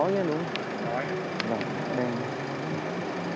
giấy luồng xanh mình có